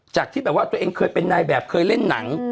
ที่แบบว่าตัวเองเคยเป็นนายแบบเคยเล่นหนัง